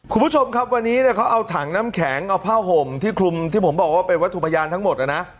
คุณผู้ชมครับวันนี้เนี่ยเขาเอาถังน้ำแข็งเอาผ้าห่มที่คลุมที่ผมบอกว่าเป็นวัตถุพยานทั้งหมดนะนะ